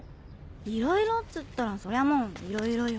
いろいろっつったらそりゃもういろいろよ。